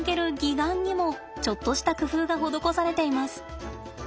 岩にもちょっとした工夫が施されています。